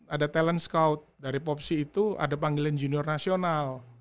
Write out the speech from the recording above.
ada talent scoute dari popsi itu ada panggilan junior nasional